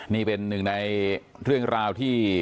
นี่เป็นหนึ่งในเรื่องราวที่